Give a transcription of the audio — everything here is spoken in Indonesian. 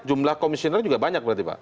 jumlah komisioner juga banyak berarti pak